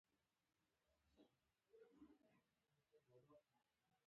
هغه هم د دې جرم شریک دی .